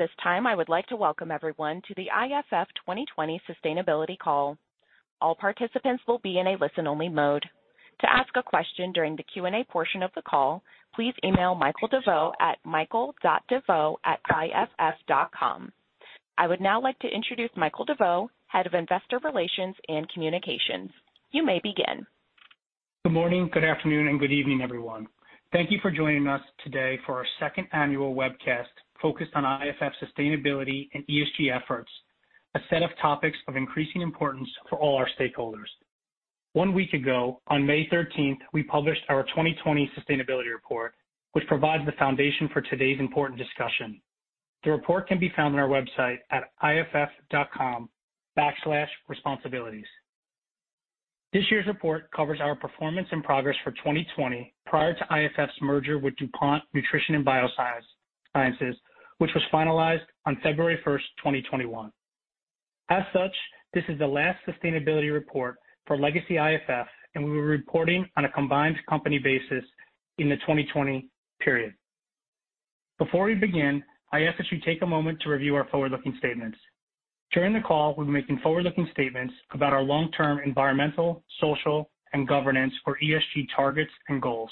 At this time, I would like to welcome everyone to the IFF 2020 Sustainability Call. All participants will be in a listen-only mode. To ask a question during the Q&A portion of the call, please email Michael DeVeau at michael.deveau@iff.com. I would now like to introduce Michael DeVeau, Head of Investor Relations and Communications. You may begin. Good morning, good afternoon, and good evening, everyone. Thank you for joining us today for our second annual webcast focused on IFF sustainability and ESG efforts, a set of topics of increasing importance for all our stakeholders. One week ago, on May 13th, we published our 2020 sustainability report, which provides the foundation for today's important discussion. The report can be found on our website at iff.com/responsibilities. This year's report covers our performance and progress for 2020, prior to IFF's merger with DuPont Nutrition and Biosciences, which was finalized on February 1st, 2021. As such, this is the last sustainability report for legacy IFF, and we were reporting on a combined company basis in the 2020 period. Before we begin, I ask that you take a moment to review our forward-looking statements. During the call, we'll be making forward-looking statements about our long-term environmental, social, and governance or ESG targets and goals.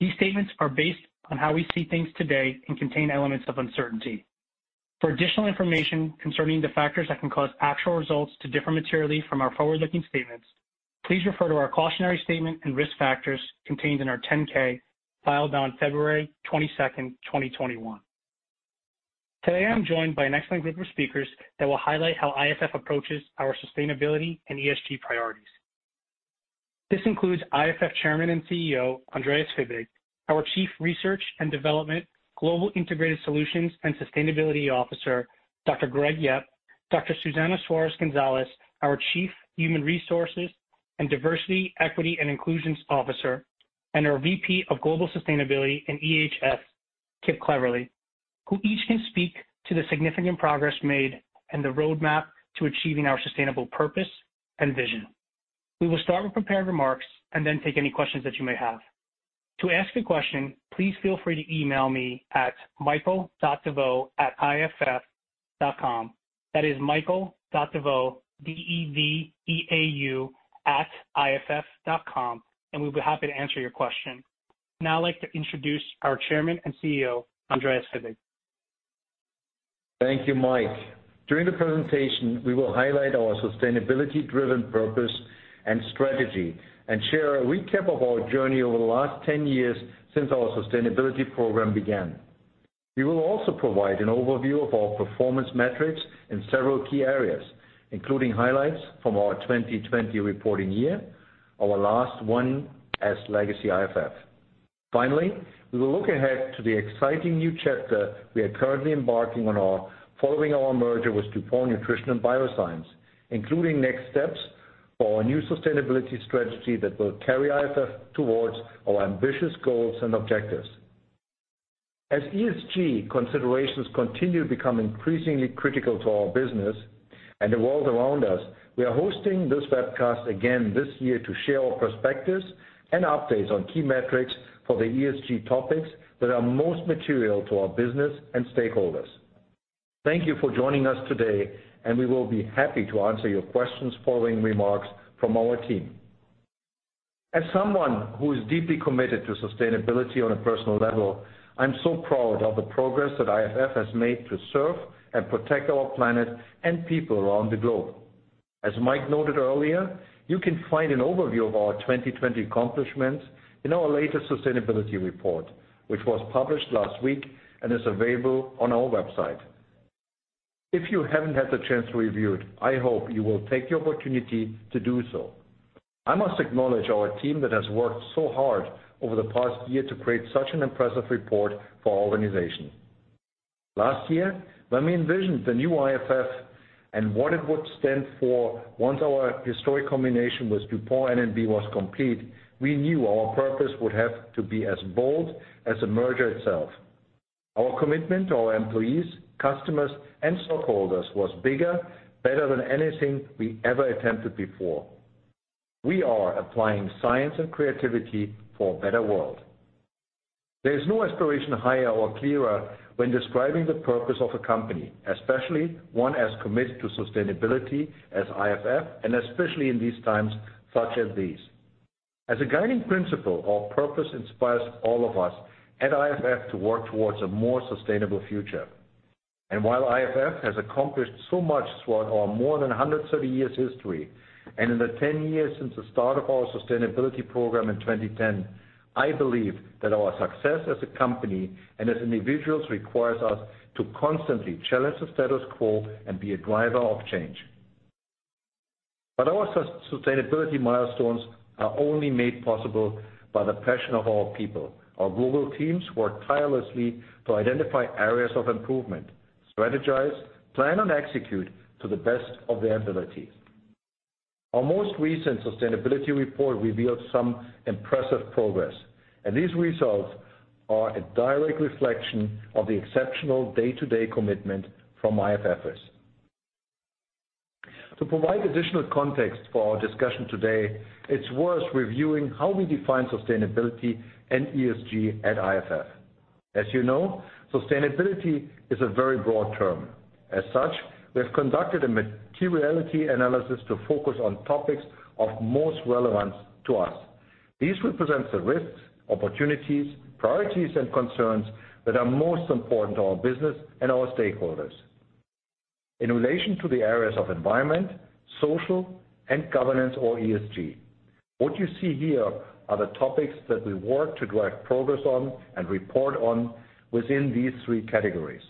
These statements are based on how we see things today and contain elements of uncertainty. For additional information concerning the factors that can cause actual results to differ materially from our forward-looking statements, please refer to our cautionary statement and risk factors contained in our 10-K filed on February 22nd, 2021. Today, I'm joined by an excellent group of speakers that will highlight how IFF approaches our sustainability and ESG priorities. This includes IFF Chairman and CEO, Andreas Fibig, our Chief Research and Development, Global Integrated Solutions, and Sustainability Officer, Dr. Gregory Yep, Dr. Susana Suarez Gonzalez, our Chief Human Resources and Diversity, Equity, and Inclusions Officer, and our VP of Global Sustainability and EHS, Kip Cleverley, who each can speak to the significant progress made and the roadmap to achieving our sustainable purpose and vision. We will start with prepared remarks and then take any questions that you may have. To ask a question, please feel free to email me at michael.deveau@iff.com. That is michael.deveau, D-E-V-E-A-U, @iff.com. We'll be happy to answer your question. I'd now like to introduce our Chairman and CEO, Andreas Fibig. Thank you, Mike. During the presentation, we will highlight our sustainability-driven purpose and strategy and share a recap of our journey over the last 10 years since our sustainability program began. We will also provide an overview of our performance metrics in several key areas, including highlights from our 2020 reporting year, our last one as legacy IFF. Finally, we will look ahead to the exciting new chapter we are currently embarking on following our merger with DuPont Nutrition and Biosciences, including next steps for our new sustainability strategy that will carry IFF towards our ambitious goals and objectives. As ESG considerations continue to become increasingly critical to our business and the world around us, we are hosting this webcast again this year to share our perspectives and updates on key metrics for the ESG topics that are most material to our business and stakeholders. Thank you for joining us today, and we will be happy to answer your questions following remarks from our team. As someone who is deeply committed to sustainability on a personal level, I'm so proud of the progress that IFF has made to serve and protect our planet and people around the globe. As Mike noted earlier, you can find an overview of our 2020 accomplishments in our latest sustainability report, which was published last week and is available on our website. If you haven't had the chance to review it, I hope you will take the opportunity to do so. I must acknowledge our team that has worked so hard over the past year to create such an impressive report for our organization. Last year, when we envisioned the new IFF and what it would stand for once our historic combination with DuPont N&B was complete, we knew our purpose would have to be as bold as the merger itself. Our commitment to our employees, customers, and stockholders was bigger, better than anything we ever attempted before. We are applying science and creativity for a better world. There is no aspiration higher or clearer when describing the purpose of a company, especially one as committed to sustainability as IFF, and especially in these times such as these. As a guiding principle, our purpose inspires all of us at IFF to work towards a more sustainable future. While IFF has accomplished so much throughout our more than 130 years history, and in the 10 years since the start of our sustainability program in 2010, I believe that our success as a company and as individuals requires us to constantly challenge the status quo and be a driver of change. Our sustainability milestones are only made possible by the passion of our people. Our global teams work tirelessly to identify areas of improvement, strategize, plan, and execute to the best of their ability. Our most recent sustainability report revealed some impressive progress, these results are a direct reflection of the exceptional day-to-day commitment from IFFers. To provide additional context for our discussion today, it's worth reviewing how we define sustainability and ESG at IFF. As you know, sustainability is a very broad term. As such, we have conducted a materiality analysis to focus on topics of most relevance to us. These represent the risks, opportunities, priorities, and concerns that are most important to our business and our stakeholders. In relation to the areas of environment, social, and governance or ESG, what you see here are the topics that we work to drive progress on and report on within these three categories.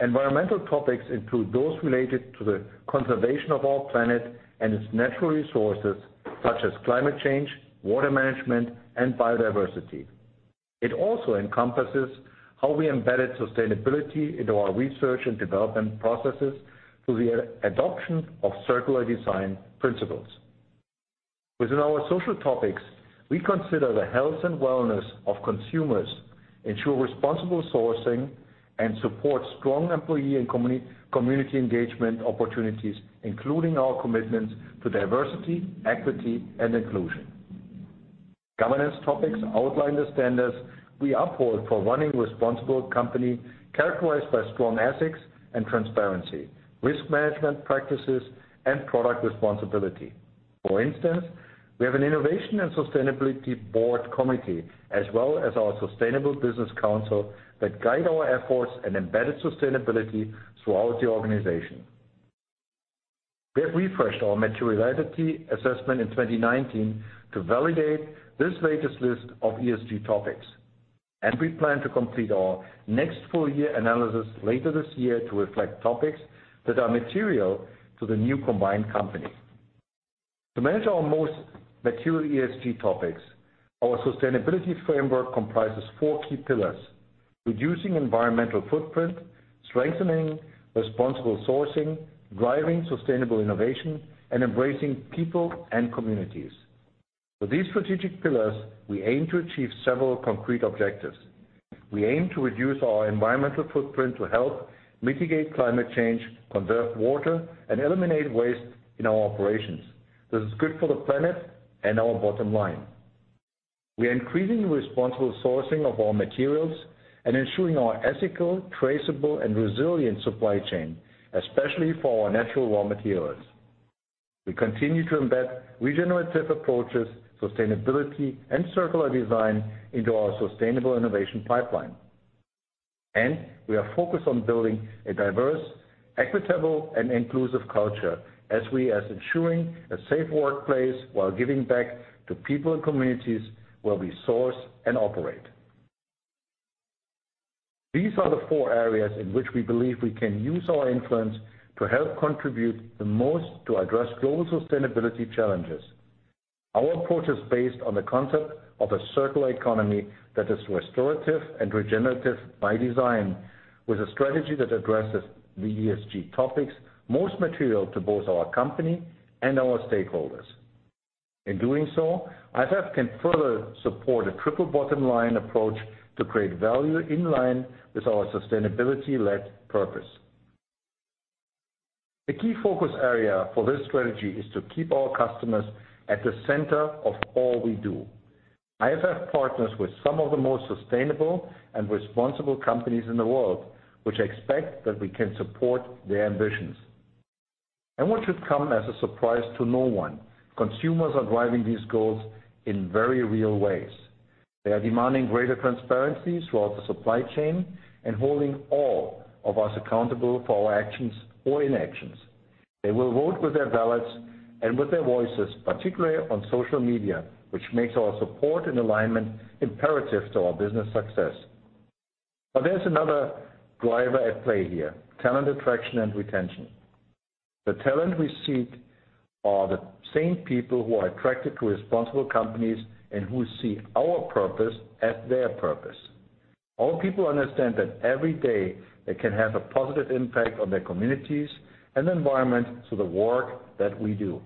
Environmental topics include those related to the conservation of our planet and its natural resources such as climate change, water management, and biodiversity. It also encompasses how we embed sustainability into our research and development processes through the adoption of circular design principles. Within our social topics, we consider the health and wellness of consumers, ensure responsible sourcing, and support strong employee and community engagement opportunities, including our commitments to diversity, equity, and inclusion. Governance topics outline the standards we uphold for running a responsible company characterized by strong ethics and transparency, risk management practices, and product responsibility. For instance, we have an innovation and sustainability board committee, as well as our sustainable business council that guide our efforts and embed sustainability throughout the organization. We have refreshed our materiality assessment in 2019 to validate this latest list of ESG topics, and we plan to complete our next full year analysis later this year to reflect topics that are material to the new combined company. To manage our most material ESG topics, our sustainability framework comprises four key pillars: reducing environmental footprint, strengthening responsible sourcing, driving sustainable innovation, and embracing people and communities. With these strategic pillars, we aim to achieve several concrete objectives. We aim to reduce our environmental footprint to help mitigate climate change, conserve water, and eliminate waste in our operations. This is good for the planet and our bottom line. We are increasing the responsible sourcing of our materials and ensuring our ethical, traceable, and resilient supply chain, especially for our natural raw materials. We continue to embed regenerative approaches, sustainability, and circular design into our sustainable innovation pipeline. We are focused on building a diverse, equitable, and inclusive culture as we are ensuring a safe workplace while giving back to people and communities where we source and operate. These are the four areas in which we believe we can use our influence to help contribute the most to address global sustainability challenges. Our approach is based on the concept of a circular economy that is restorative and regenerative by design, with a strategy that addresses the ESG topics most material to both our company and our stakeholders. In doing so, IFF can further support a triple bottom line approach to create value in line with our sustainability-led purpose. A key focus area for this strategy is to keep our customers at the center of all we do. IFF partners with some of the most sustainable and responsible companies in the world, which expect that we can support their ambitions. What should come as a surprise to no one, consumers are driving these goals in very real ways. They are demanding greater transparency throughout the supply chain and holding all of us accountable for our actions or inactions. They will vote with their ballots and with their voices, particularly on social media, which makes our support and alignment imperative to our business success. There's another driver at play here, talent attraction and retention. The talent we seek are the same people who are attracted to responsible companies and who see our purpose as their purpose. Our people understand that every day they can have a positive impact on their communities and the environment through the work that we do.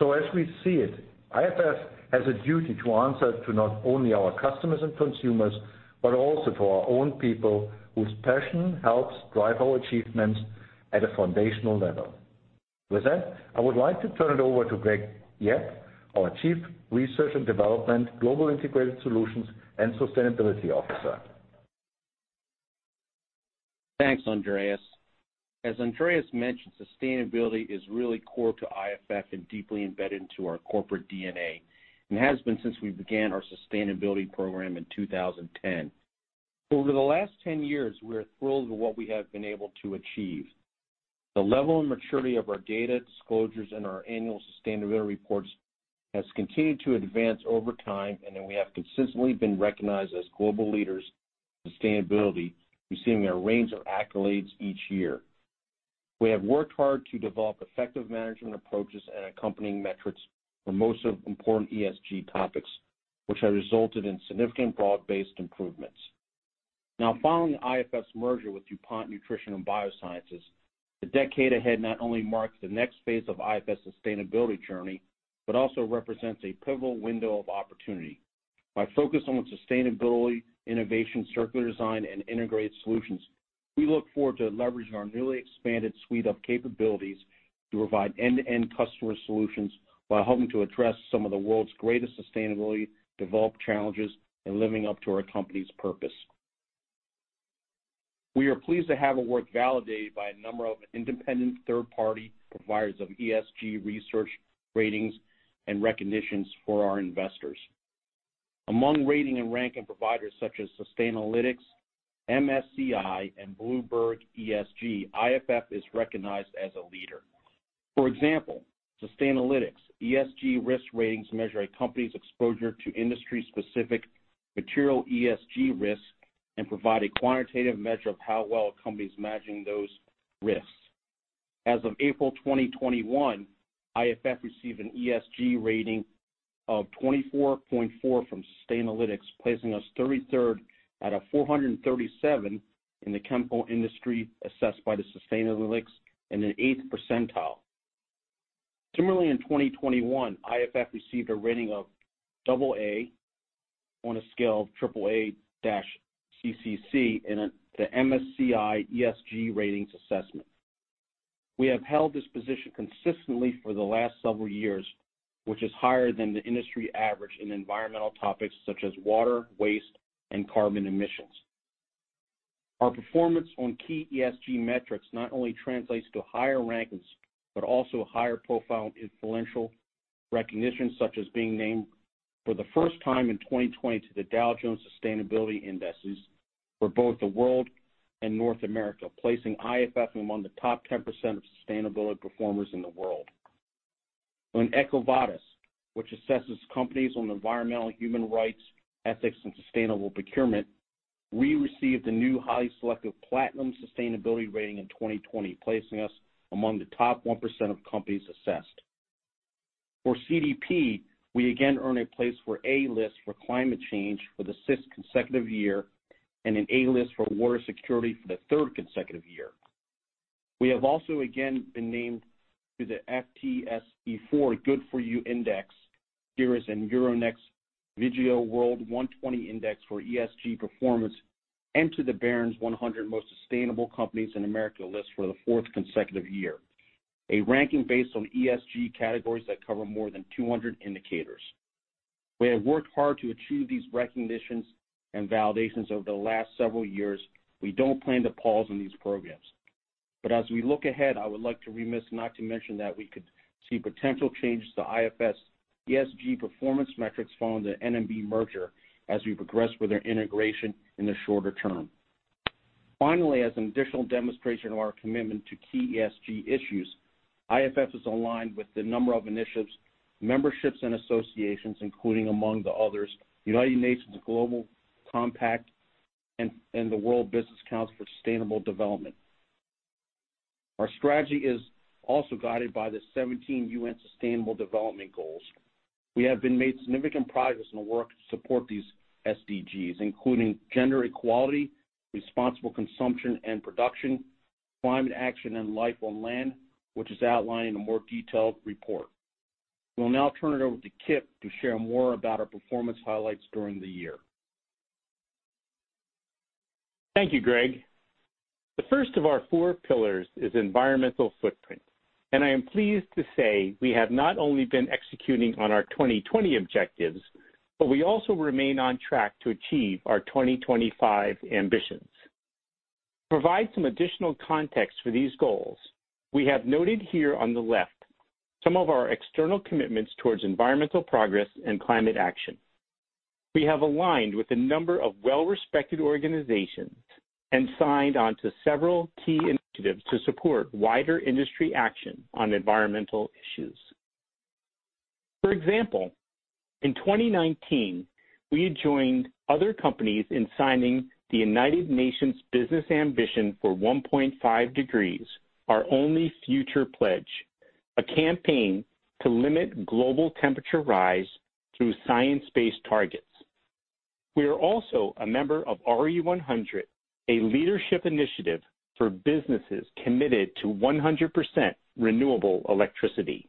As we see it, IFF has a duty to answer to not only our customers and consumers, but also to our own people, whose passion helps drive our achievements at a foundational level. With that, I would like to turn it over to Gregory Yep, our Chief Research and Development, Global Integrated Solutions, and Sustainability Officer. Thanks, Andreas. As Andreas mentioned, sustainability is really core to IFF and deeply embedded into our corporate DNA, and has been since we began our sustainability program in 2010. Over the last 10 years, we are thrilled with what we have been able to achieve. The level and maturity of our data disclosures and our annual sustainability reports has continued to advance over time, and we have consistently been recognized as global leaders in sustainability, receiving a range of accolades each year. We have worked hard to develop effective management approaches and accompanying metrics for most important ESG topics, which have resulted in significant broad-based improvements. Following IFF's merger with DuPont Nutrition and Biosciences, the decade ahead not only marks the next phase of IFF's sustainability journey, but also represents a pivotal window of opportunity. By focusing on sustainability, innovation, circular design, and integrated solutions, we look forward to leveraging our newly expanded suite of capabilities to provide end-to-end customer solutions while helping to address some of the world's greatest sustainability development challenges and living up to our company's purpose. We are pleased to have our work validated by a number of independent third-party providers of ESG research, ratings, and recognitions for our investors. Among rating and ranking providers such as Sustainalytics, MSCI, and Bloomberg ESG, IFF is recognized as a leader. For example, Sustainalytics ESG risk ratings measure a company's exposure to industry-specific material ESG risk and provide a quantitative measure of how well a company is managing those risks. As of April 2021, IFF received an ESG rating of 24.4 from Sustainalytics, placing us 33rd out of 437 in the chemical industry assessed by the Sustainalytics and in the 80th percentile. Similarly, in 2021, IFF received a rating of AA on a scale of AAA-CCC in the MSCI ESG ratings assessment. We have held this position consistently for the last several years, which is higher than the industry average in environmental topics such as water, waste, and carbon emissions. Our performance on key ESG metrics not only translates to higher rankings but also higher-profile influential recognition, such as being named for the first time in 2020 to the Dow Jones Sustainability Indices for both the World and North America, placing IFF among the top 10% of sustainability performers in the world. On EcoVadis, which assesses companies on environmental, human rights, ethics, and sustainable procurement, we received the new highest selected Platinum sustainability rating in 2020, placing us among the top 1% of companies assessed. For CDP, we again earn a place for A List for climate change for the sixth consecutive year and an A List for water security for the third consecutive year. We have also again been named to the FTSE4Good Index Series, CSERES and Euronext Vigeo World 120 Index for ESG performance, and to the Barron's 100 Most Sustainable Companies in America list for the fourth consecutive year, a ranking based on ESG categories that cover more than 200 indicators. We have worked hard to achieve these recognitions and validations over the last several years. We don't plan to pause in these programs. As we look ahead, I would like to remind us not to mention that we could see potential changes to IFF's ESG performance metrics following the N&B merger as we progress with our integration in the shorter term. Finally, as an additional demonstration of our commitment to key ESG issues, IFF is aligned with a number of initiatives, memberships, associations, including, among the others, the United Nations Global Compact and the World Business Council for Sustainable Development. Our strategy is also guided by the 17 UN Sustainable Development Goals. We have been made significant progress in the work to support these SDGs, including gender equality, responsible consumption and production, climate action, and life on land, which is outlined in a more detailed report. We'll now turn it over to Kip to share more about our performance highlights during the year. Thank you, Greg. The first of our four pillars is environmental footprint, and I am pleased to say we have not only been executing on our 2020 objectives, but we also remain on track to achieve our 2025 ambitions. To provide some additional context for these goals, we have noted here on the left some of our external commitments towards environmental progress and climate action. We have aligned with a number of well-respected organizations and signed on to several key initiatives to support wider industry action on environmental issues. For example, in 2019, we joined other companies in signing the United Nations Business Ambition for 1.5 Degrees, Our Only Future pledge, a campaign to limit global temperature rise through science-based targets. We are also a member of RE100, a leadership initiative for businesses committed to 100% renewable electricity.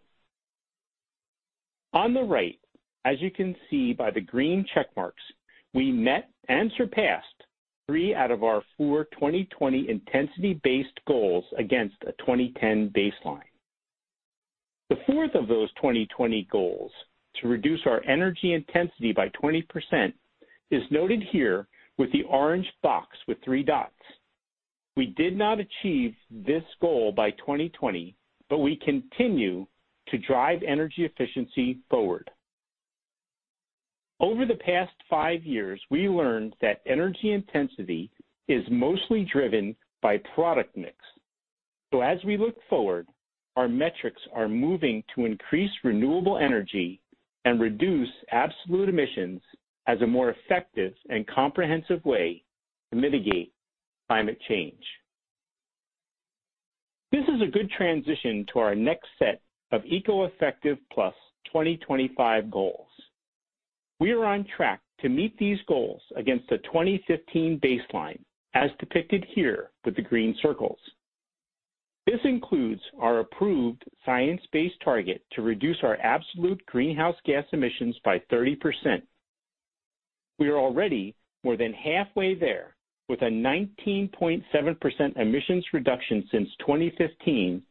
On the right, as you can see by the green check marks, we met and surpassed three out of our four 2020 intensity-based goals against a 2010 baseline. The fourth of those 2020 goals, to reduce our energy intensity by 20%, is noted here with the orange box with three dots. We did not achieve this goal by 2020, we continue to drive energy efficiency forward. Over the past five years, we learned that energy intensity is mostly driven by product mix. As we look forward, our metrics are moving to increase renewable energy and reduce absolute emissions as a more effective and comprehensive way to mitigate climate change. This is a good transition to our next set of eco-effective plus 2025 goals. We are on track to meet these goals against the 2015 baseline, as depicted here with the green circles. This includes our approved science-based target to reduce our absolute greenhouse gas emissions by 30%. We are already more than halfway there, with a 19.7% emissions reduction since 2015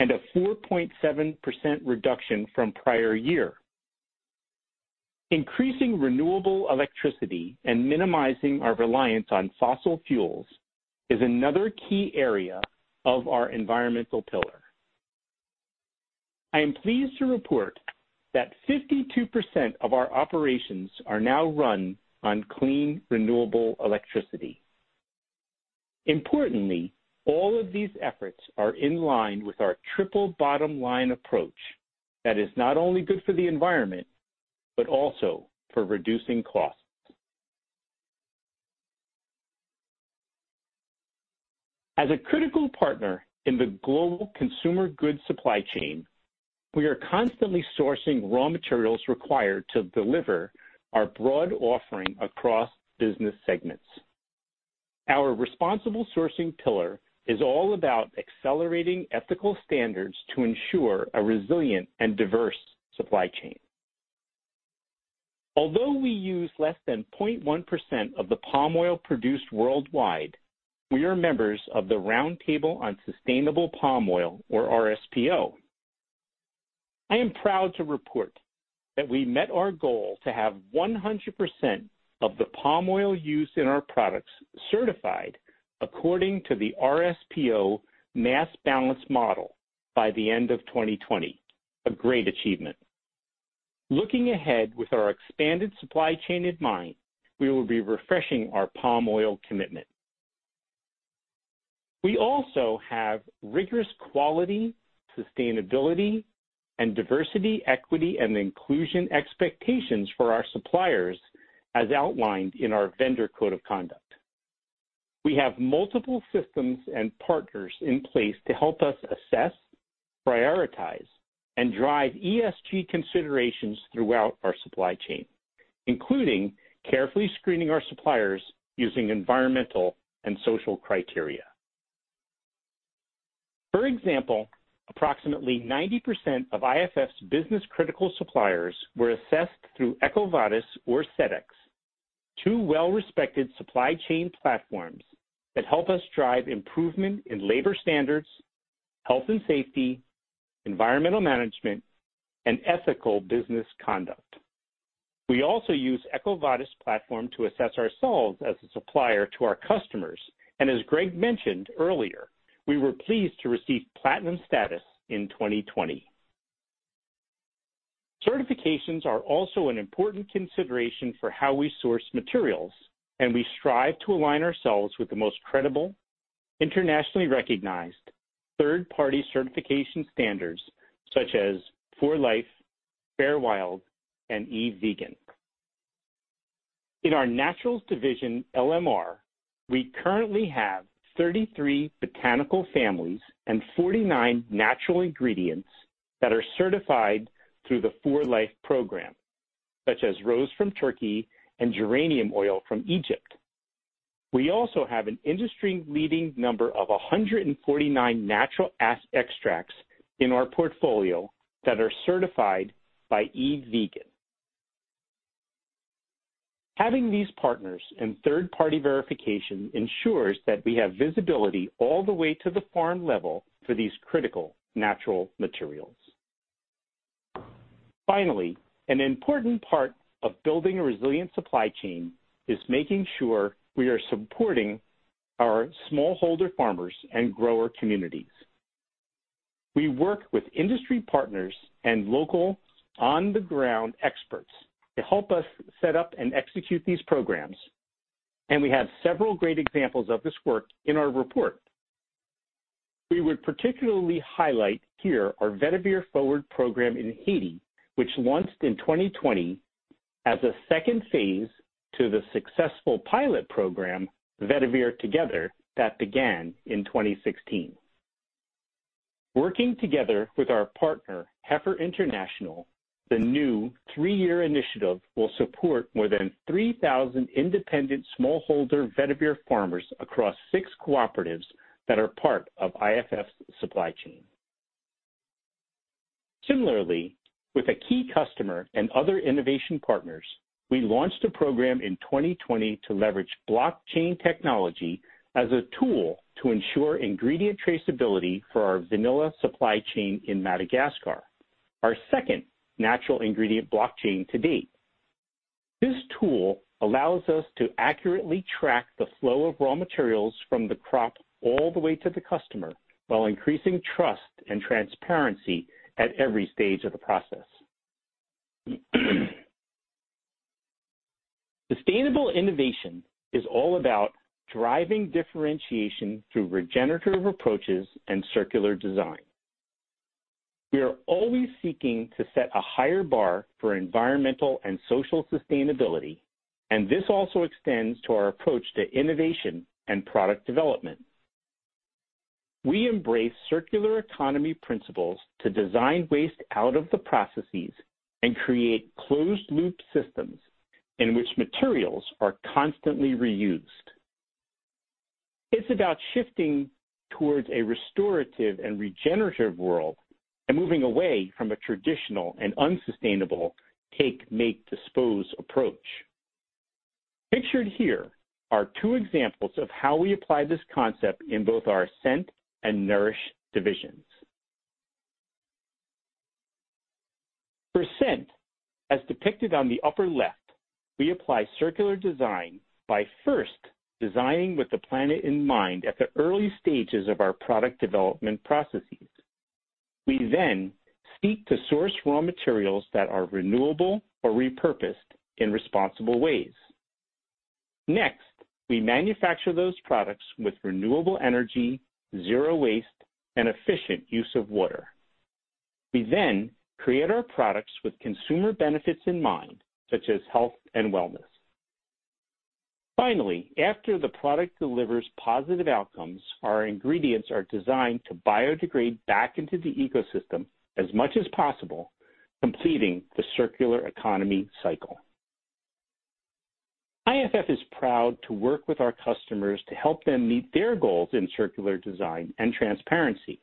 and a 4.7% reduction from prior year. Increasing renewable electricity and minimizing our reliance on fossil fuels is another key area of our environmental pillar. I am pleased to report that 52% of our operations are now run on clean, renewable electricity. Importantly, all of these efforts are in line with our triple bottom line approach that is not only good for the environment, but also for reducing costs. As a critical partner in the global consumer goods supply chain, we are constantly sourcing raw materials required to deliver our broad offering across business segments. Our responsible sourcing pillar is all about accelerating ethical standards to ensure a resilient and diverse supply chain. Although we use less than 0.1% of the palm oil produced worldwide, we are members of the Roundtable on Sustainable Palm Oil, or RSPO. I am proud to report that we met our goal to have 100% of the palm oil used in our products certified according to the RSPO Mass Balance model by the end of 2020. A great achievement. Looking ahead with our expanded supply chain in mind, we will be refreshing our palm oil commitment. We also have rigorous quality, sustainability, and diversity, equity, and inclusion expectations for our suppliers, as outlined in our vendor code of conduct. We have multiple systems and partners in place to help us assess, prioritize, and drive ESG considerations throughout our supply chain, including carefully screening our suppliers using environmental and social criteria. For example, approximately 90% of IFF's business-critical suppliers were assessed through EcoVadis or Sedex, two well-respected supply chain platforms that help us drive improvement in labor standards, health and safety, environmental management, and ethical business conduct. We also use EcoVadis platform to assess ourselves as a supplier to our customers, and as Greg mentioned earlier, we were pleased to receive platinum status in 2020. Certifications are also an important consideration for how we source materials, and we strive to align ourselves with the most credible, internationally recognized third-party certification standards such as For Life, FairWild, and EVE VEGAN. In our Naturals division, LMR, we currently have 33 botanical families and 49 natural ingredients that are certified through the For Life program, such as rose from Turkey and geranium oil from Egypt. We also have an industry-leading number of 149 natural extracts in our portfolio that are certified by EVE VEGAN. Having these partners and third-party verification ensures that we have visibility all the way to the farm level for these critical natural materials. An important part of building a resilient supply chain is making sure we are supporting our smallholder farmers and grower communities. We work with industry partners and local on-the-ground experts to help us set up and execute these programs. We have several great examples of this work in our report. We would particularly highlight here our Vetiver Forward program in Haiti, which launched in 2020 as a second phase to the successful pilot program, Vetiver Together, that began in 2016. Working together with our partner, Heifer International, the new three-year initiative will support more than 3,000 independent smallholder vetiver farmers across six cooperatives that are part of IFF's supply chain. Similarly, with a key customer and other innovation partners, we launched a program in 2020 to leverage blockchain technology as a tool to ensure ingredient traceability for our vanilla supply chain in Madagascar, our second natural ingredient blockchain to date. This tool allows us to accurately track the flow of raw materials from the crop all the way to the customer while increasing trust and transparency at every stage of the process. Sustainable innovation is all about driving differentiation through regenerative approaches and circular design. We are always seeking to set a higher bar for environmental and social sustainability, and this also extends to our approach to innovation and product development. We embrace circular economy principles to design waste out of the processes and create closed-loop systems in which materials are constantly reused. It's about shifting towards a restorative and regenerative world and moving away from a traditional and unsustainable take, make, dispose approach. Pictured here are two examples of how we apply this concept in both our scent and nourish divisions. For scent, as depicted on the upper left, we apply circular design by first designing with the planet in mind at the early stages of our product development processes. We then seek to source raw materials that are renewable or repurposed in responsible ways. Next, we manufacture those products with renewable energy, zero waste, and efficient use of water. We then create our products with consumer benefits in mind, such as health and wellness. Finally, after the product delivers positive outcomes, our ingredients are designed to biodegrade back into the ecosystem as much as possible, completing the circular economy cycle. IFF is proud to work with our customers to help them meet their goals in circular design and transparency.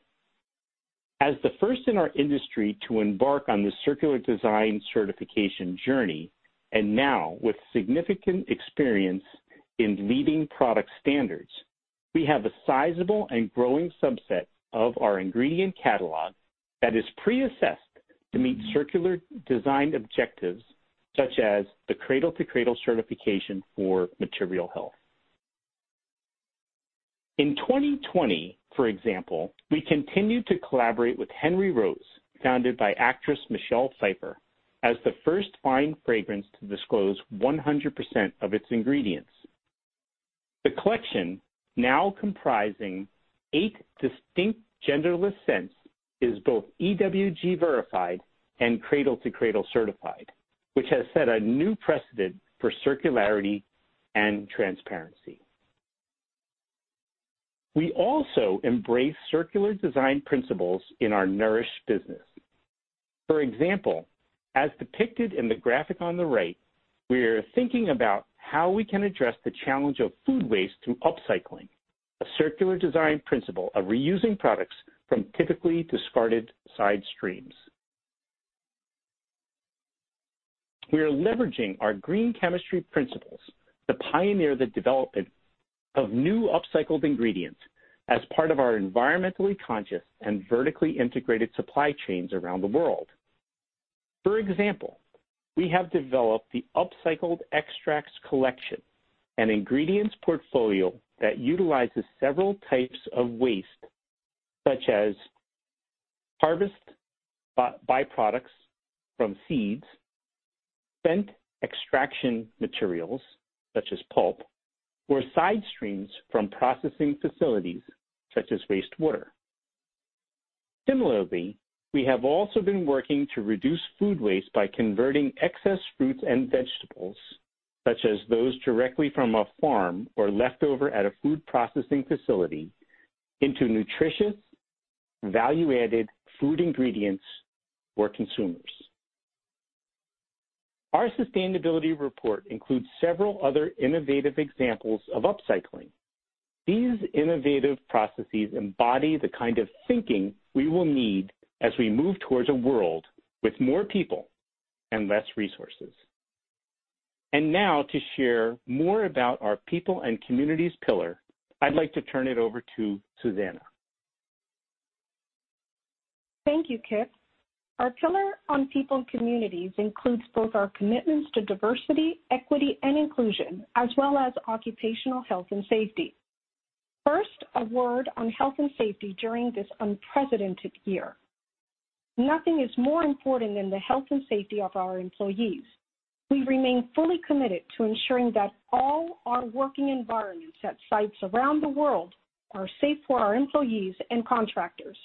As the first in our industry to embark on the circular design certification journey, and now with significant experience in leading product standards, we have a sizable and growing subset of our ingredient catalog that is pre-assessed to meet circular design objectives such as the Cradle to Cradle certification for material health. In 2020, for example, we continued to collaborate with Henry Rose, founded by actress Michelle Pfeiffer, as the first fine fragrance to disclose 100% of its ingredients. The collection, now comprising eight distinct genderless scents, is both EWG Verified and Cradle to Cradle certified, which has set a new precedent for circularity and transparency. We also embrace circular design principles in our nourish business. For example, as depicted in the graphic on the right, we are thinking about how we can address the challenge of food waste through upcycling, a circular design principle of reusing products from typically discarded side streams. We are leveraging our green chemistry principles to pioneer the development of new upcycled ingredients as part of our environmentally conscious and vertically integrated supply chains around the world. For example, we have developed the Upcycling Collection, an ingredients portfolio that utilizes several types of waste, such as harvest byproducts from seeds, spent extraction materials such as pulp, or side streams from processing facilities such as wastewater. Similarly, we have also been working to reduce food waste by converting excess fruits and vegetables, such as those directly from a farm or leftover at a food processing facility, into nutritious, value-added food ingredients for consumers. Our sustainability report includes several other innovative examples of upcycling. These innovative processes embody the kind of thinking we will need as we move towards a world with more people and less resources. Now to share more about our people and communities pillar, I'd like to turn it over to Susana. Thank you, Kip. Our pillar on people and communities includes both our commitments to diversity, equity, and inclusion, as well as occupational health and safety. First, a word on health and safety during this unprecedented year. Nothing is more important than the health and safety of our employees. We remain fully committed to ensuring that all our working environments at sites around the world are safe for our employees and contractors.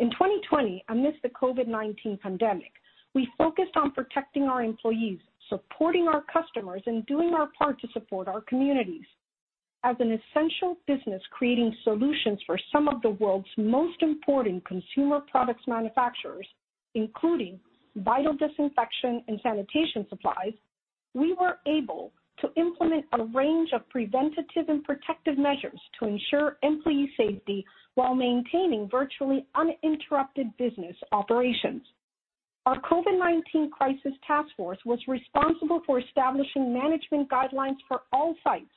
In 2020, amidst the COVID-19 pandemic, we focused on protecting our employees, supporting our customers, and doing our part to support our communities. As an essential business creating solutions for some of the world's most important consumer products manufacturers, including vital disinfection and sanitation supplies, we were able to implement a range of preventative and protective measures to ensure employee safety while maintaining virtually uninterrupted business operations. Our COVID-19 Crisis Task Force was responsible for establishing management guidelines for all sites,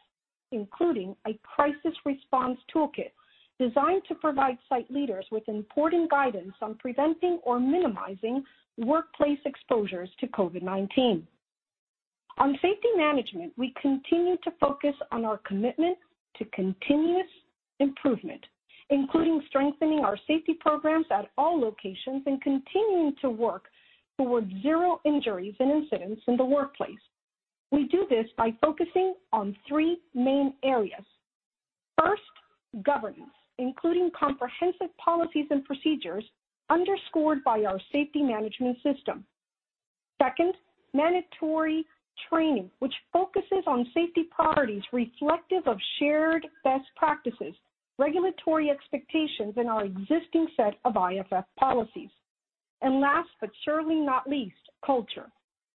including a crisis response toolkit designed to provide site leaders with important guidance on preventing or minimizing workplace exposures to COVID-19. On safety management, we continue to focus on our commitment to continuous improvement, including strengthening our safety programs at all locations and continuing to work towards zero injuries and incidents in the workplace. We do this by focusing on three main areas. First, governance, including comprehensive policies and procedures underscored by our safety management system. Second, mandatory training, which focuses on safety priorities reflective of shared best practices, regulatory expectations, and our existing set of IFF policies. Last but certainly not least, culture.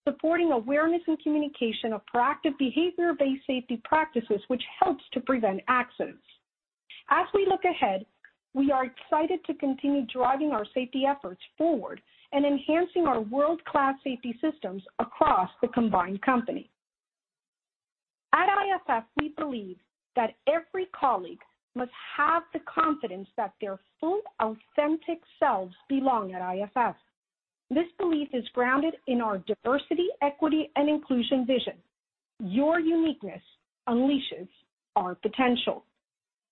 Supporting awareness and communication of proactive behavior-based safety practices which helps to prevent accidents. As we look ahead, we are excited to continue driving our safety efforts forward and enhancing our world-class safety systems across the combined company. At IFF, we believe that every colleague must have the confidence that their full authentic selves belong at IFF. This belief is grounded in our Diversity, Equity, and Inclusion vision. Your uniqueness unleashes our potential.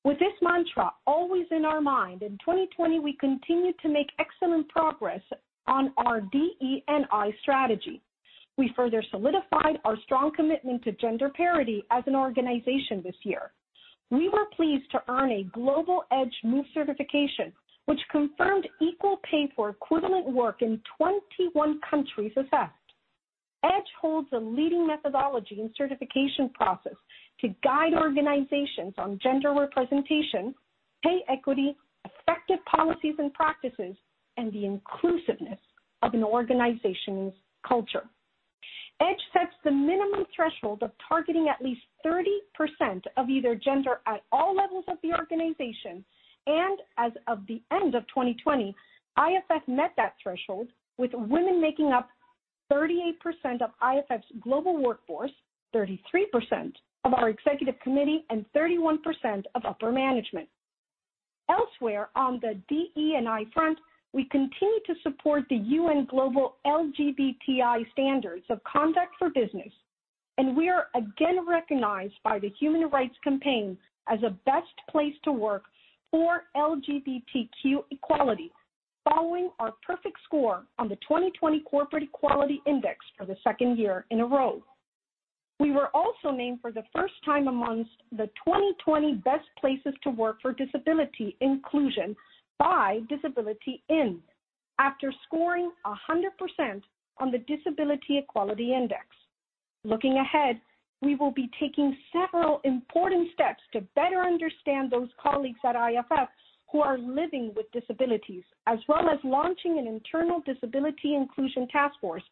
With this mantra always in our mind, in 2020, we continued to make excellent progress on our DE&I strategy. We further solidified our strong commitment to gender parity as an organization this year. We were pleased to earn a Global EDGE Move certification, which confirmed equal pay for equivalent work in 21 countries effect. EDGE holds a leading methodology and certification process to guide organizations on gender representation, pay equity, effective policies and practices, and the inclusiveness of an organization's culture. EDGE sets the minimum threshold of targeting at least 30% of either gender at all levels of the organization, and as of the end of 2020, IFF met that threshold, with women making up 38% of IFF's global workforce, 33% of our executive committee, and 31% of upper management. Elsewhere on the DE&I front, we continue to support the UN Global LGBTI Standards of Conduct for Business, and we are again recognized by the Human Rights Campaign as a Best Place to Work for LGBTQ equality, following our perfect score on the 2020 Corporate Equality Index for the second year in a row. We were also named for the first time amongst the 2020 Best Places to Work for Disability Inclusion by Disability:IN, after scoring 100% on the Disability Equality Index. Looking ahead, we will be taking several important steps to better understand those colleagues at IFF who are living with disabilities, as well as launching an internal disability inclusion task force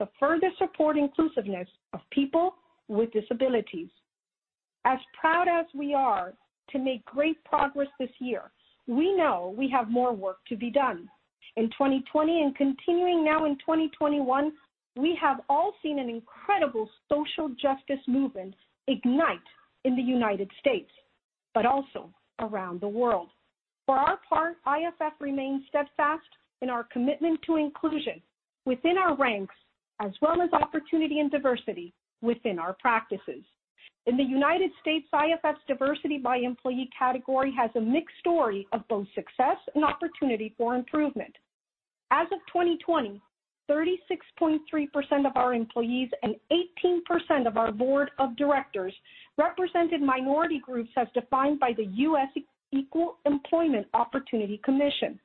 to further support inclusiveness of people with disabilities. As proud as we are to make great progress this year, we know we have more work to be done. In 2020 and continuing now in 2021, we have all seen an incredible social justice movement ignite in the United States, but also around the world. For our part, IFF remains steadfast in our commitment to inclusion within our ranks, as well as opportunity and diversity within our practices. In the United States, IFF's diversity by employee category has a mixed story of both success and opportunity for improvement. As of 2020, 36.3% of our employees and 18% of our board of directors represented minority groups as defined by the U.S. Equal Employment Opportunity Commission.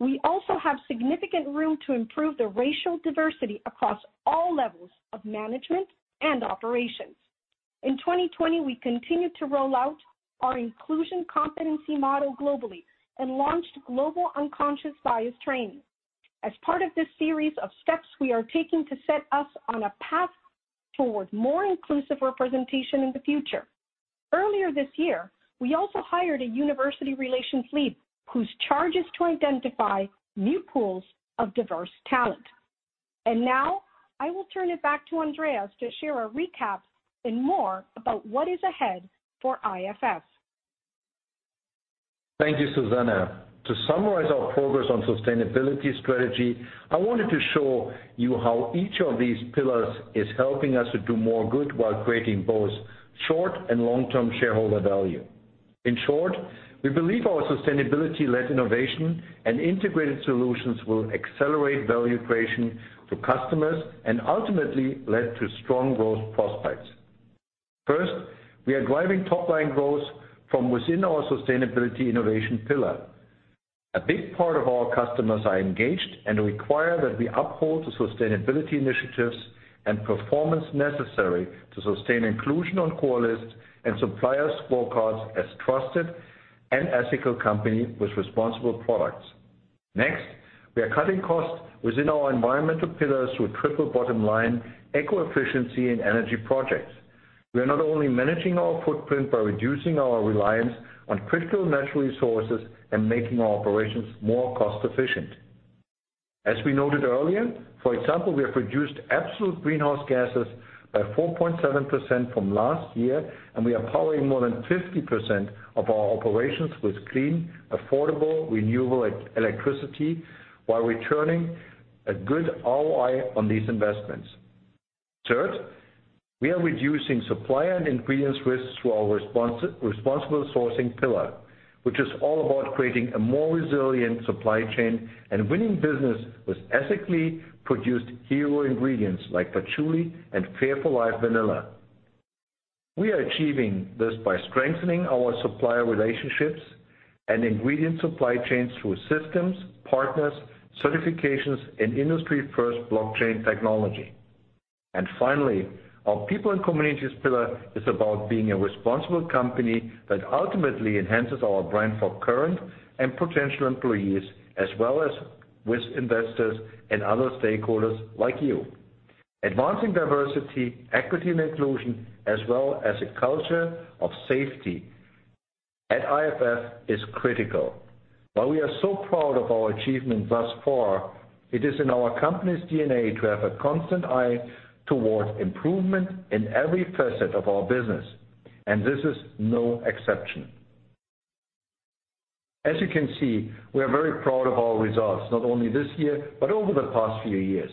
We also have significant room to improve the racial diversity across all levels of management and operations. In 2020, we continued to roll out our inclusion competency model globally and launched global unconscious bias training. As part of this series of steps we are taking to set us on a path towards more inclusive representation in the future. Earlier this year, we also hired a university relations lead whose charge is to identify new pools of diverse talent. Now, I will turn it back to Andreas to share a recap and more about what is ahead for IFF. Thank you, Susana. To summarize our progress on sustainability strategy, I wanted to show you how each of these pillars is helping us to do more good while creating both short and long-term shareholder value. In short, we believe our sustainability-led innovation and integrated solutions will accelerate value creation to customers and ultimately lead to strong growth prospects. First, we are driving top-line growth from within our sustainability innovation pillar. A big part of our customers are engaged and require that we uphold the sustainability initiatives and performance necessary to sustain inclusion on core lists and supplier scorecards as trusted and ethical company with responsible products. Next, we are cutting costs within our environmental pillars through a triple bottom line, eco-efficiency, and energy projects. We are not only managing our footprint by reducing our reliance on critical natural resources and making our operations more cost-efficient. As we noted earlier, for example, we have reduced absolute greenhouse gases by 4.7% from last year, and we are powering more than 50% of our operations with clean, affordable, renewable electricity while returning a good ROI on these investments. Third, we are reducing supplier and ingredients risks through our responsible sourcing pillar, which is all about creating a more resilient supply chain and winning business with ethically produced hero ingredients like patchouli and Fair for Life vanilla. We are achieving this by strengthening our supplier relationships and ingredient supply chains through systems, partners, certifications, and industry-first blockchain technology. Finally, our people and communities pillar is about being a responsible company that ultimately enhances our brand for current and potential employees, as well as with investors and other stakeholders like you. Advancing diversity, equity, and inclusion, as well as a culture of safety at IFF is critical. While we are so proud of our achievements thus far, it is in our company's DNA to have a constant eye towards improvement in every facet of our business, and this is no exception. As you can see, we are very proud of our results, not only this year, but over the past few years.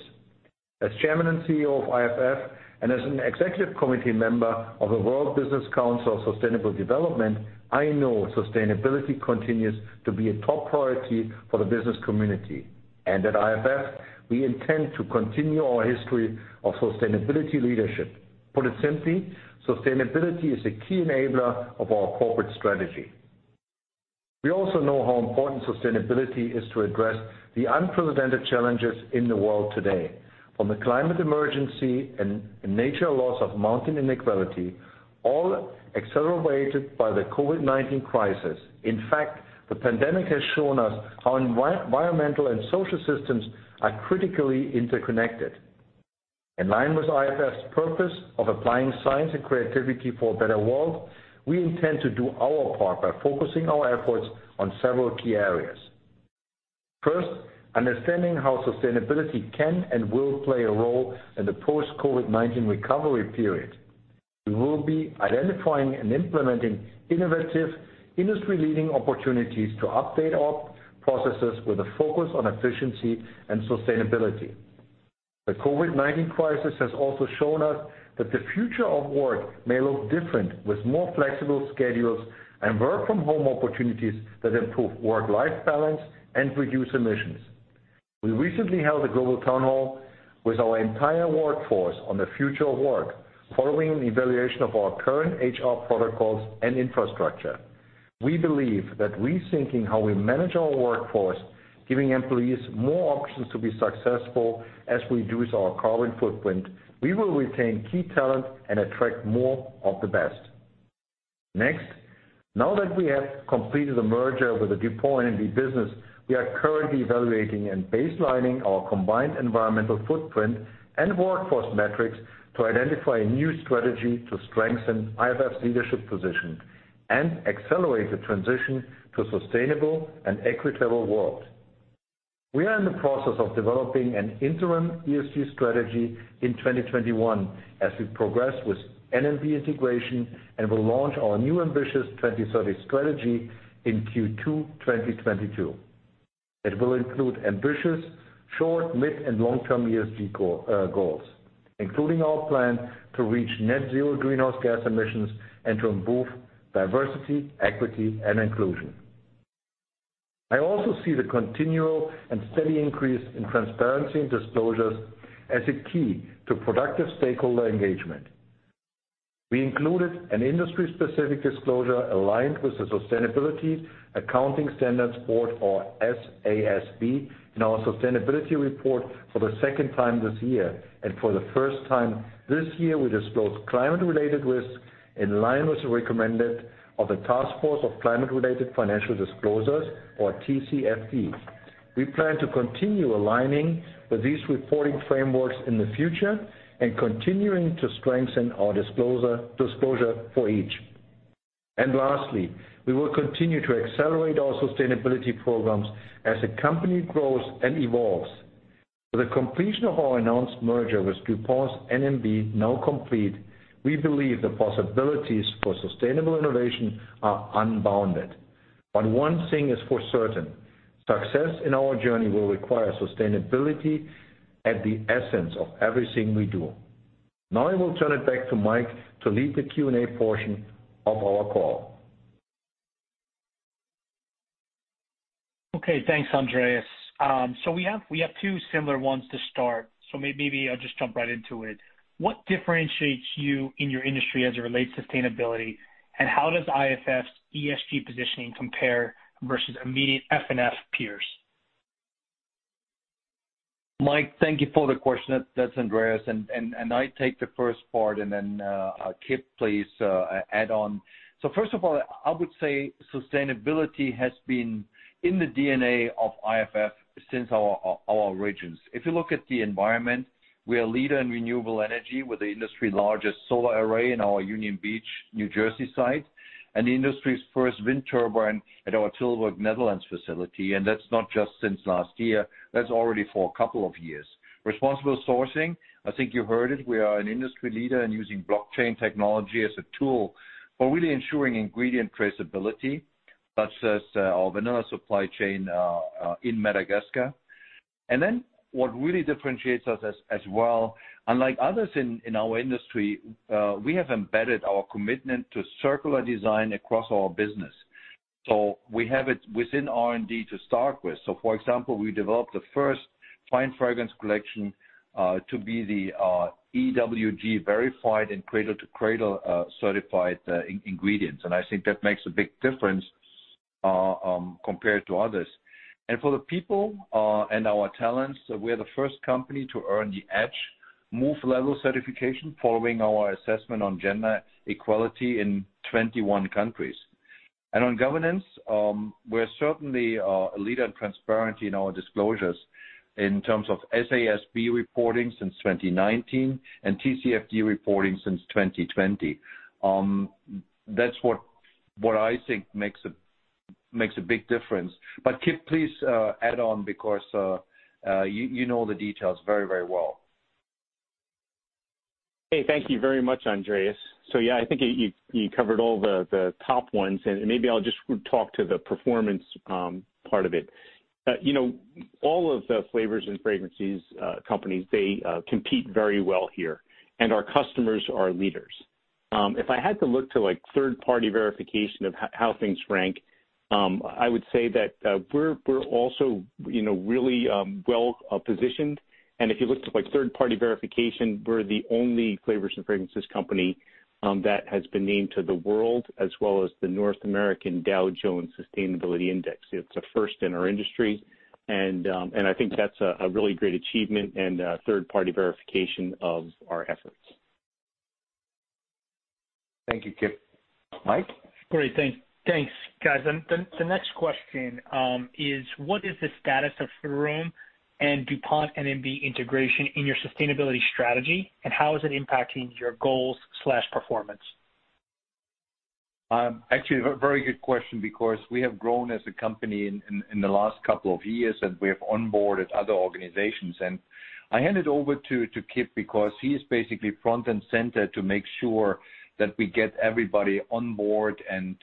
As Chairman and CEO of IFF, and as an executive committee member of the World Business Council for Sustainable Development, I know sustainability continues to be a top priority for the business community. At IFF, we intend to continue our history of sustainability leadership. Put simply, sustainability is a key enabler of our corporate strategy. We also know how important sustainability is to address the unprecedented challenges in the world today. From the climate emergency and nature loss of mounting inequality, all accelerated by the COVID-19 crisis. In fact, the pandemic has shown us how environmental and social systems are critically interconnected. In line with IFF's purpose of applying science and creativity for a better world, we intend to do our part by focusing our efforts on several key areas. First, understanding how sustainability can and will play a role in the post-COVID-19 recovery period. We will be identifying and implementing innovative, industry-leading opportunities to update our processes with a focus on efficiency and sustainability. The COVID-19 crisis has also shown us that the future of work may look different, with more flexible schedules and work from home opportunities that improve work-life balance and reduce emissions. We recently held a global town hall with our entire workforce on the future of work following an evaluation of our current HR protocols and infrastructure. We believe that rethinking how we manage our workforce, giving employees more options to be successful as we reduce our carbon footprint, we will retain key talent and attract more of the best. Next, now that we have completed the merger with the DuPont N&B business, we are currently evaluating and baselining our combined environmental footprint and workforce metrics to identify a new strategy to strengthen IFF's leadership position and accelerate the transition to a sustainable and equitable world. We are in the process of developing an interim ESG strategy in 2021 as we progress with N&B integration and will launch our new ambitious 2030 strategy in Q2 2022. It will include ambitious short, mid, and long-term ESG goals, including our plan to reach net zero greenhouse gas emissions and to improve diversity, equity, and inclusion. I also see the continual and steady increase in transparency and disclosures as a key to productive stakeholder engagement. We included an industry-specific disclosure aligned with the Sustainability Accounting Standards Board, or SASB, in our sustainability report for the second time this year. For the first time this year, we disclosed climate-related risks in line with the recommended of the Task Force on Climate-related Financial Disclosures, or TCFD. We plan to continue aligning with these reporting frameworks in the future and continuing to strengthen our disclosure for each. Lastly, we will continue to accelerate our sustainability programs as the company grows and evolves. With the completion of our announced merger with DuPont's N&B now complete, we believe the possibilities for sustainable innovation are unbounded. One thing is for certain, success in our journey will require sustainability at the essence of everything we do. Now, I will turn it back to Mike to lead the Q&A portion of our call. Thanks, Andreas. We have two similar ones to start, so maybe I'll just jump right into it. What differentiates you in your industry as it relates to sustainability, and how does IFF's ESG positioning compare versus immediate F&F peers? Mike, thank you for the question. That's Andreas. I take the first part. Kip, please add on. First of all, I would say sustainability has been in the DNA of IFF since our origins. If you look at the environment, we are a leader in renewable energy with the industry's largest solar array in our Union Beach, New Jersey site. The industry's first wind turbine at our Tilburg, Netherlands facility. That's not just since last year, that's already for a couple of years. Responsible sourcing, I think you heard it. We are an industry leader in using blockchain technology as a tool for really ensuring ingredient traceability, such as our vanilla supply chain in Madagascar. What really differentiates us as well, unlike others in our industry, we have embedded our commitment to circular design across our business. We have it within R&D to start with. For example, we developed the first fine fragrance collection, to be the EWG verified and Cradle to Cradle certified ingredients. I think that makes a big difference compared to others. For the people and our talents, we are the first company to earn the EDGE Move level certification following our assessment on gender equality in 21 countries. On governance, we're certainly a leader in transparency in our disclosures in terms of SASB reporting since 2019 and TCFD reporting since 2020. That's what I think makes a big difference. Kip, please add on because you know the details very well. Hey, thank you very much, Andreas. Yeah, I think you covered all the top ones, and maybe I'll just talk to the performance part of it. All of the flavors and fragrances companies, they compete very well here, and our customers are leaders. If I had to look to third-party verification of how things rank, I would say that we're also really well positioned. If you look to third-party verification, we're the only flavors and fragrances company that has been named to the world as well as the North American Dow Jones Sustainability Index. It's a first in our industry, and I think that's a really great achievement and a third-party verification of our efforts. Thank you, Kip. Mike? Great. Thanks, guys. The next question is, what is the status of Frutarom and DuPont N&B integration in your sustainability strategy, and how is it impacting your goals/performance? Actually, a very good question because we have grown as a company in the last couple of years, and we have onboarded other organizations. I hand it over to Kip because he is basically front and center to make sure that we get everybody on board and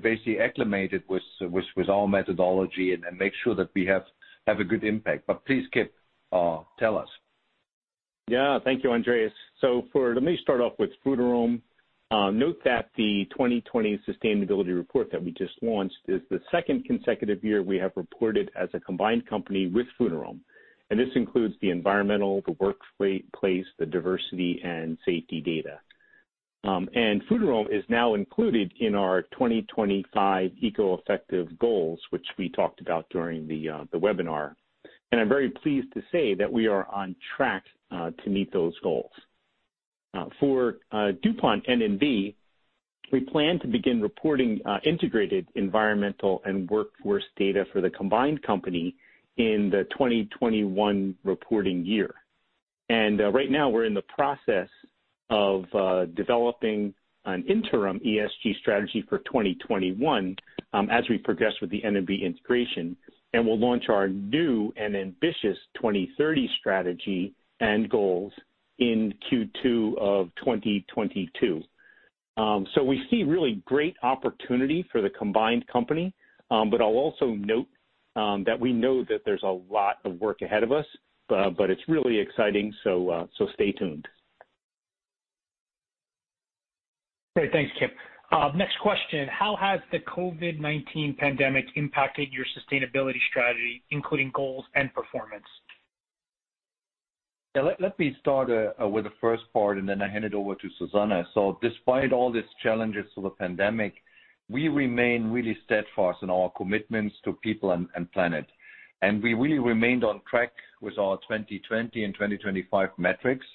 basically acclimated with our methodology and make sure that we have a good impact. Please, Kip, tell us. Thank you, Andreas. Let me start off with Frutarom. Note that the 2020 sustainability report that we just launched is the second consecutive year we have reported as a combined company with Frutarom, and this includes the environmental, the workplace, the diversity, and safety data. Frutarom is now included in our 2025 EcoEffective goals, which we talked about during the webinar. I'm very pleased to say that we are on track to meet those goals. For DuPont N&B, we plan to begin reporting integrated environmental and workforce data for the combined company in the 2021 reporting year. Right now, we're in the process of developing an interim ESG strategy for 2021 as we progress with the N&B integration. We'll launch our new and ambitious 2030 strategy and goals in Q2 of 2022. We see really great opportunity for the combined company. I'll also note that we know that there's a lot of work ahead of us, but it's really exciting, so stay tuned. Great. Thanks, Kip. Next question. How has the COVID-19 pandemic impacted your sustainability strategy, including goals and performance? Yeah, let me start with the first part, and then I'll hand it over to Susana. Despite all these challenges to the pandemic, we remain really steadfast in our commitments to people and planet. We really remained on track with our 2020 and 2025 metrics,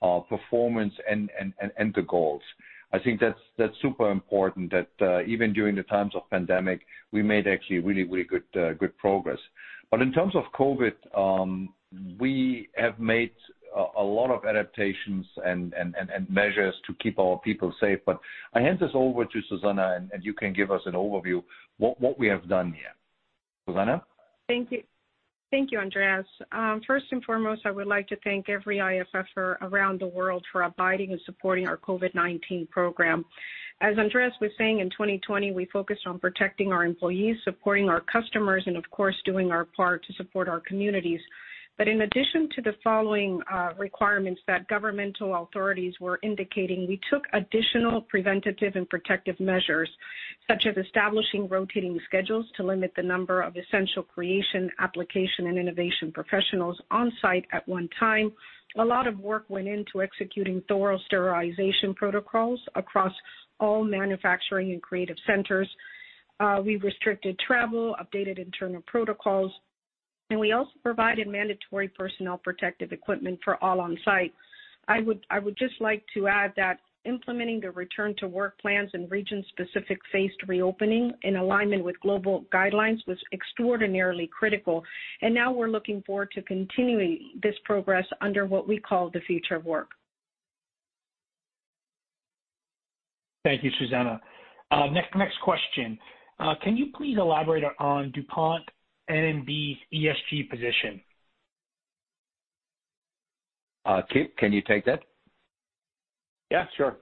our performance, and the goals. I think that's super important that even during the times of pandemic, we made actually really good progress. In terms of COVID, we have made a lot of adaptations and measures to keep our people safe. I hand this over to Susana, and you can give us an overview what we have done here. Susana? Thank you, Andreas. First and foremost, I would like to thank every IFFer around the world for abiding and supporting our COVID-19 program. As Andreas was saying, in 2020, we focused on protecting our employees, supporting our customers, and of course, doing our part to support our communities. In addition to the following requirements that governmental authorities were indicating, we took additional preventative and protective measures, such as establishing rotating schedules to limit the number of essential creation, application, and innovation professionals on-site at one time. A lot of work went into executing thorough sterilization protocols across all manufacturing and creative centers. We restricted travel, updated internal protocols, and we also provided mandatory personal protective equipment for all on-site. I would just like to add that implementing the return-to-work plans and region-specific phased reopening in alignment with global guidelines was extraordinarily critical, and now we're looking forward to continuing this progress under what we call the future of work. Thank you, Susana. Next question. Can you please elaborate on DuPont N&B's ESG position? Kip, can you take that? Yeah, sure.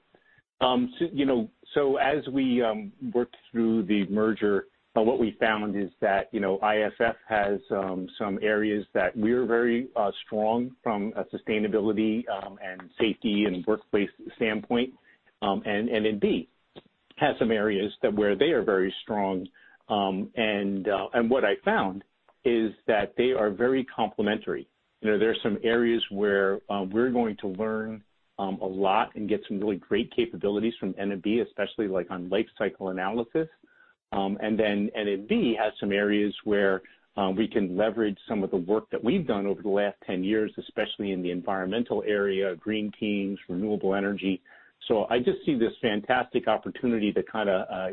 As we worked through the merger, what we found is that IFF has some areas that we are very strong from a sustainability and safety and workplace standpoint, and N&B has some areas where they are very strong. What I found is that they are very complementary. There are some areas where we're going to learn a lot and get some really great capabilities from N&B, especially on life cycle analysis. N&B has some areas where we can leverage some of the work that we've done over the last 10 years, especially in the environmental area, green teams, renewable energy. I just see this fantastic opportunity to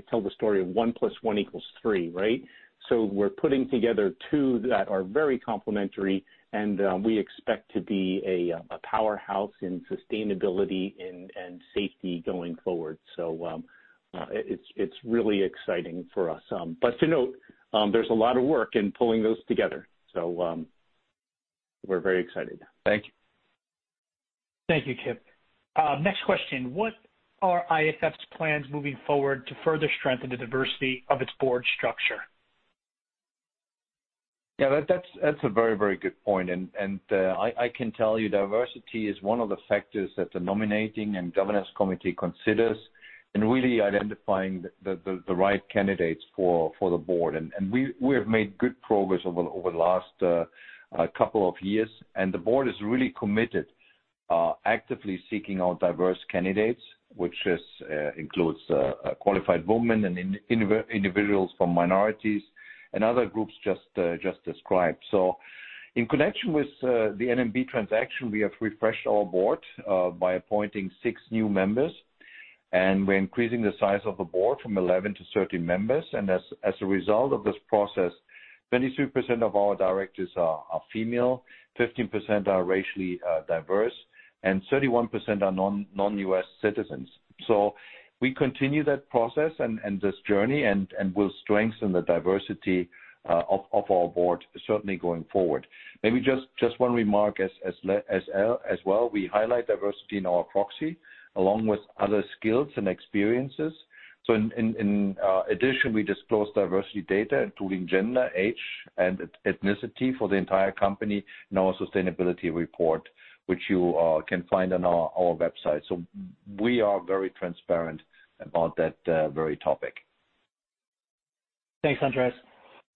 tell the story of one plus one equals three, right? We're putting together two that are very complementary, and we expect to be a powerhouse in sustainability and safety going forward. It's really exciting for us. To note, there's a lot of work in pulling those together. We're very excited. Thank you. Thank you, Kip. Next question, what are IFF's plans moving forward to further strengthen the diversity of its board structure? Yeah, that's a very good point. I can tell you diversity is one of the factors that the nominating and governance committee considers in really identifying the right candidates for the board. We have made good progress over the last couple of years, and the board is really committed, actively seeking out diverse candidates, which includes qualified women and individuals from minorities and other groups just described. In connection with the N&B transaction, we have refreshed our board by appointing six new members, and we're increasing the size of the board from 11-13 members. As a result of this process, 23% of our directors are female, 15% are racially diverse, and 31% are non-U.S. citizens. We continue that process and this journey and will strengthen the diversity of our board, certainly going forward. Maybe just one remark as well. We highlight diversity in our proxy along with other skills and experiences. In addition, we disclose diversity data, including gender, age, and ethnicity for the entire company in our sustainability report, which you can find on our website. We are very transparent about that very topic. Thanks, Andreas.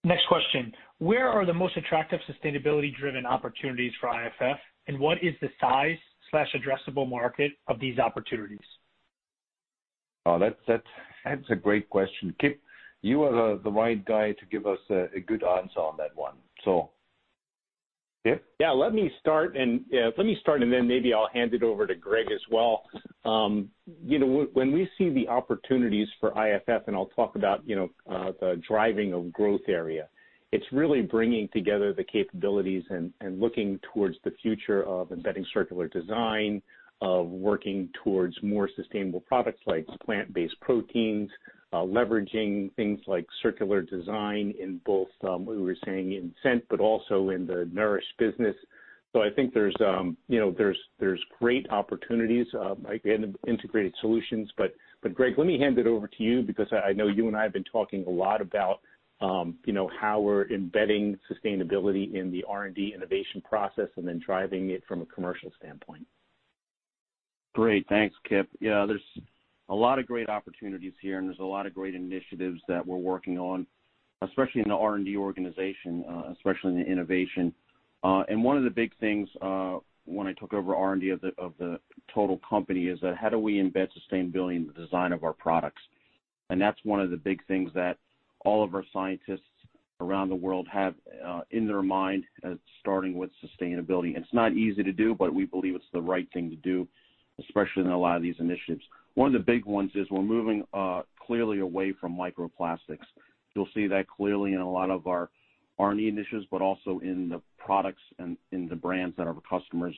Next question, where are the most attractive sustainability-driven opportunities for IFF, and what is the size/addressable market of these opportunities? Oh, that's a great question. Kip, you are the right guy to give us a good answer on that one. Kip? Let me start, and then maybe I'll hand it over to Greg as well. When we see the opportunities for IFF, and I'll talk about the driving of growth area, it's really bringing together the capabilities and looking towards the future of embedding circular design, of working towards more sustainable products like plant-based proteins, leveraging things like circular design in both, we were saying in scent, but also in the nourish business. I think there's great opportunities like integrated solutions. Greg, let me hand it over to you because I know you and I have been talking a lot about how we're embedding sustainability in the R&D innovation process and then driving it from a commercial standpoint. Great. Thanks, Kip. There's a lot of great opportunities here, and there's a lot of great initiatives that we're working on, especially in the R&D organization, especially in the innovation. One of the big things, when I took over R&D of the total company, is that how do we embed sustainability in the design of our products? That's one of the big things that all of our scientists around the world have in their mind as starting with sustainability. It's not easy to do, but we believe it's the right thing to do, especially in a lot of these initiatives. One of the big ones is we're moving clearly away from microplastics. You'll see that clearly in a lot of our R&D initiatives, but also in the products and in the brands that our customers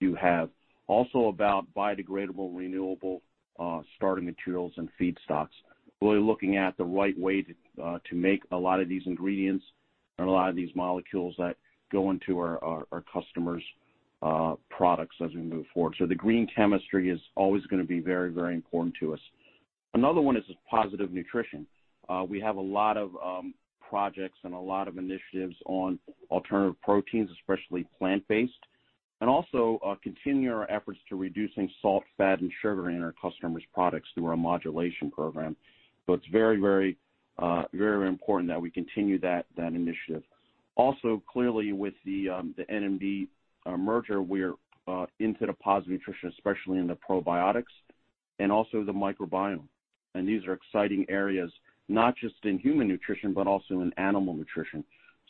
do have. Also about biodegradable, renewable starting materials and feedstocks. Really looking at the right way to make a lot of these ingredients and a lot of these molecules that go into our customers' products as we move forward. The green chemistry is always going to be very important to us. Another one is positive nutrition. We have a lot of projects and a lot of initiatives on alternative proteins, especially plant-based, and also continue our efforts to reducing salt, fat, and sugar in our customers' products through our modulation program. It's very important that we continue that initiative. Also, clearly with the N&B merger, we're into the positive nutrition, especially in the probiotics and also the microbiome. These are exciting areas, not just in human nutrition, but also in animal nutrition.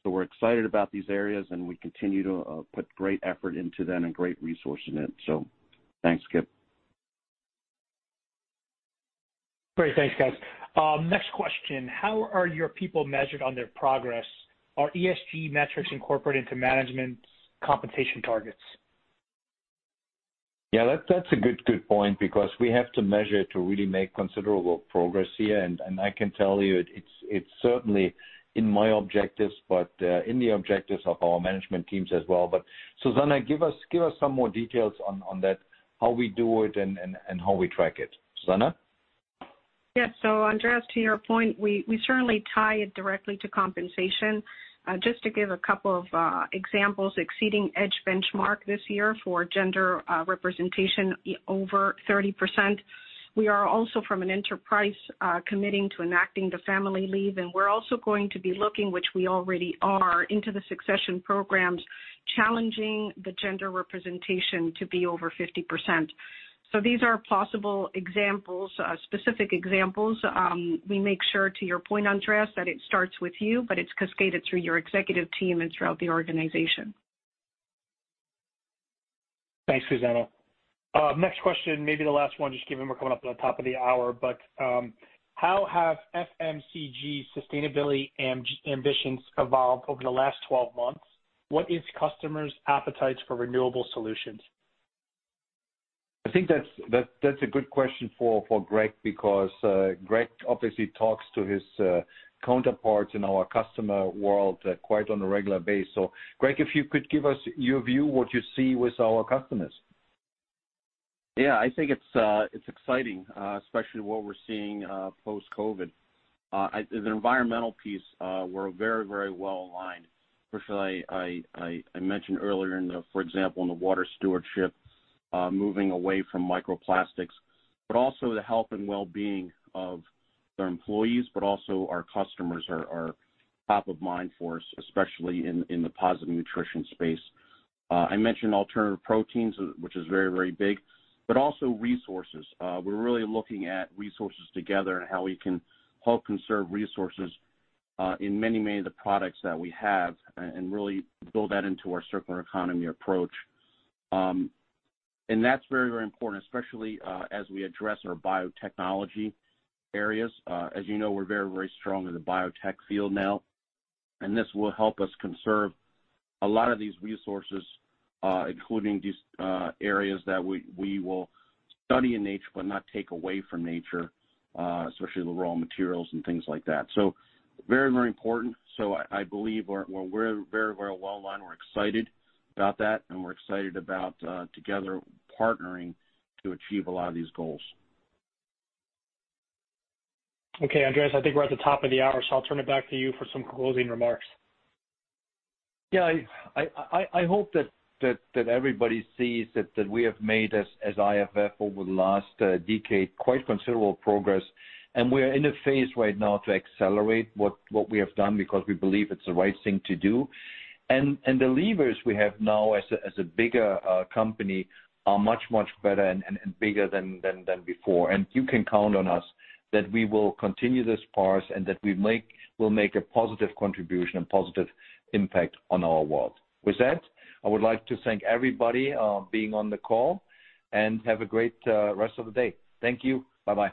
We're excited about these areas, and we continue to put great effort into them and great resource in it. Thanks, Kip. Great. Thanks, guys. Next question. How are your people measured on their progress? Are ESG metrics incorporated into management's compensation targets? Yeah, that's a good point because we have to measure to really make considerable progress here. I can tell you it's certainly in my objectives, but in the objectives of our management teams as well. Susana, give us some more details on that, how we do it and how we track it. Susana? Yes. Andreas, to your point, we certainly tie it directly to compensation. Just to give a couple of examples, exceeding EDGE Benchmark this year for gender representation over 30%. We are also from an enterprise committing to enacting the family leave, and we're also going to be looking, which we already are, into the succession programs, challenging the gender representation to be over 50%. These are possible examples, specific examples. We make sure to your point, Andreas, that it starts with you, but it's cascaded through your executive team and throughout the organization. Thanks, Susana. Next question, maybe the last one, just given we're coming up to the top of the hour. How have FMCG sustainability ambitions evolved over the last 12 months? What is customers' appetites for renewable solutions? I think that's a good question for Greg because Greg obviously talks to his counterparts in our customer world quite on a regular basis. Greg, if you could give us your view, what you see with our customers. Yeah, I think it's exciting, especially what we're seeing post-COVID. The environmental piece, we're very, very well aligned, especially I mentioned earlier, for example, in the water stewardship, moving away from microplastics, but also the health and wellbeing of our employees, but also our customers are top of mind for us, especially in the positive nutrition space. I mentioned alternative proteins, which is very, very big, but also resources. We're really looking at resources together and how we can help conserve resources in many, many of the products that we have and really build that into our circular economy approach. That's very, very important, especially as we address our biotechnology areas. As you know, we're very, very strong in the biotech field now, and this will help us conserve a lot of these resources, including these areas that we will study in nature but not take away from nature, especially the raw materials and things like that. Very, very important. I believe we're very, very well aligned. We're excited about that, and we're excited about together partnering to achieve a lot of these goals. Okay, Andreas, I think we're at the top of the hour. I'll turn it back to you for some closing remarks. I hope that everybody sees that we have made, as IFF over the last decade, quite considerable progress. We're in a phase right now to accelerate what we have done because we believe it's the right thing to do. The levers we have now as a bigger company are much better and bigger than before. You can count on us that we will continue this course and that we'll make a positive contribution and positive impact on our world. With that, I would like to thank everybody being on the call, and have a great rest of the day. Thank you. Bye-bye.